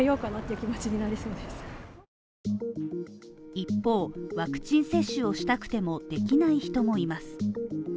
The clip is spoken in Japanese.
一方、ワクチン接種をしたくてもできない人もいます。